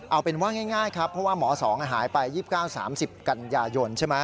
เอาเป็นว่าง่ายครับเพราะว่าหมอสองหายไป๒๙๓๐กันยายนใช่ไหม